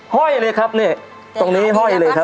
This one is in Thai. ห้อยเลยครับเนี่ยตรงนี้ห้อยเลยครับ